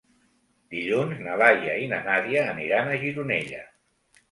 Dilluns na Laia i na Nàdia aniran a Gironella.